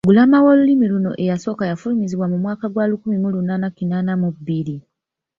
Ggulama w’Olulimi luno eyasooka yafulumizibwa mu mwaka gwa lukumi mu lunaana kinaana mu bbiri.